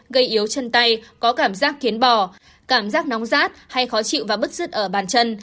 gây yếu chân tay có cảm giác kiến bò cảm giác nóng rát hay khó chịu và bức rứt ở bàn chân